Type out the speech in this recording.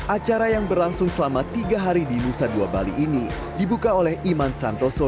acara yang berlangsung selama tiga hari di nusa dua bali ini dibuka oleh iman santoso